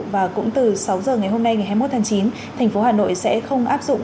và cũng từ sáu giờ ngày hôm nay ngày hai mươi một tháng chín thành phố hà nội sẽ không áp dụng